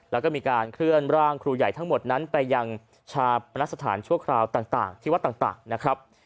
แล้วก็มีการเคลื่อนร่างครูใหญ่ทั้งหมดนั้นไปยังชาปนสถานชั่วคราวต่างที่วัดต่างนะครับ